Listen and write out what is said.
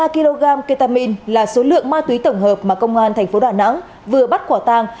ba kg ketamine là số lượng ma túy tổng hợp mà công an tp đà nẵng vừa bắt quả tàng